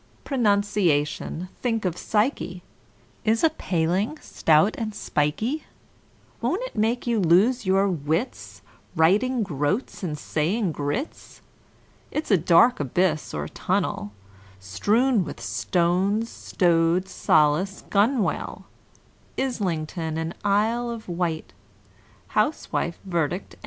Pronunciation—think of psyche!— Is a paling, stout and spikey; Won't it make you lose your wits, Writing "groats" and saying groats? It's a dark abyss or tunnel, Strewn with stones, like rowlock, gunwale, Islington and Isle of Wight, Housewife, verdict and indict!